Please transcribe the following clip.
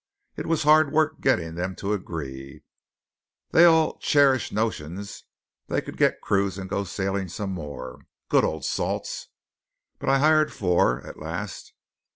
"It was hard work getting them to agree; they all cherished notions they could get crews and go sailing some more good old salts! But I hired four, at last.